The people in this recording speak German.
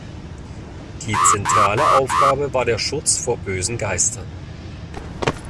Die zentrale Aufgabe war der Schutz vor bösen Geistern.